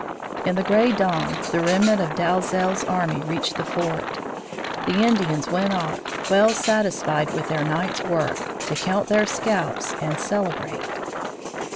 In the gray dawn the remnant of Dalzel's army reached the fort. The Indians went off, well satisfied with their night's work, to count their scalps and celebrate.